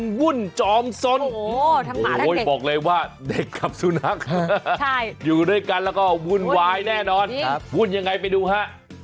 วุ่นจอมสนโอ้ยบอกเลยว่าเด็กกับสุนัขอยู่ด้วยกันแล้วก็วุ่นวายแน่นอนวุ่นยังไงไปดูฮะ